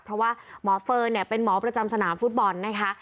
เพราะว่าหมอเฟิร์นเนี่ยเป็นหมอประจำสนามฟุตบอลนะคะ